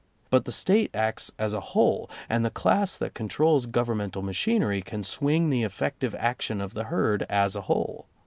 But the State acts as a whole, and the class that controls governmental machinery can swing the effective action of the herd as a whole.